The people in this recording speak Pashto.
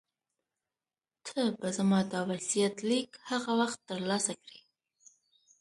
ته به زما دا وصیت لیک هغه وخت ترلاسه کړې.